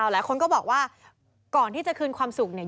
หลายคนก็บอกว่าก่อนที่จะคืนความสุขเนี่ย